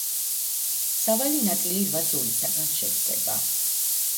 სავალი ნაწილი რვა ზოლისაგან შედგება.